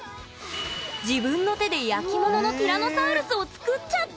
自分の手で焼き物のティラノサウルスを作っちゃった！